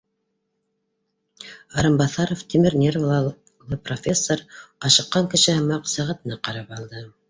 Арынбаҫаров, тимер нервылы профессор, ашыҡҡан кеше һымаҡ, сәғәтенә ҡарап алды